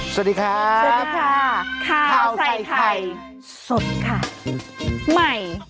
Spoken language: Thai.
สวัสดีครับสวัสดีข้าวใส่ไข่สดค่ะ